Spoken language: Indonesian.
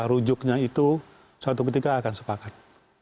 rujuknya itu suatu ketika akan sepakat